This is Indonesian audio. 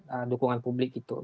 karena dukungan publik gitu